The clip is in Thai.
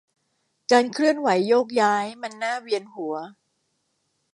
การเคลื่อนไหวโยกย้ายมันน่าเวียนหัว